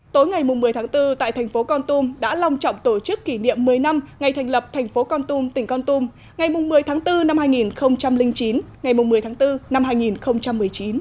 tối ngày một mươi tháng bốn tại thành phố con tum đã lòng trọng tổ chức kỷ niệm một mươi năm ngày thành lập thành phố con tum tỉnh con tum ngày một mươi tháng bốn năm hai nghìn chín ngày một mươi tháng bốn năm hai nghìn một mươi chín